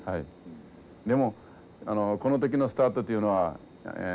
でもこの時のスタートっていうのはええ